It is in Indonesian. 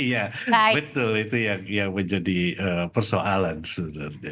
iya betul itu yang menjadi persoalan sebenarnya